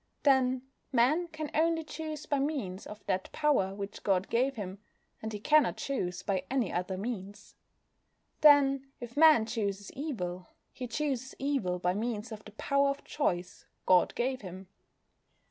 Then, Man can only choose by means of that power which God gave him, and he cannot choose by any other means. Then, if Man chooses evil, he chooses evil by means of the power of choice God gave him.